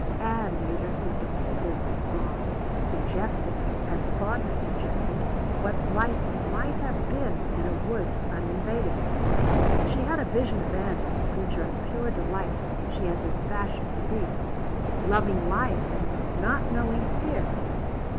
Ann made her think of that quivering fawn, suggesting, as the fawn had suggested, what life might have been in a woods uninvaded. She had a vision of Ann as the creature of pure delight she had been fashioned to be, loving life and not knowing fear.